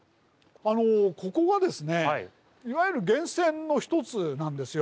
ここはですねいわゆる源泉の一つなんですよ。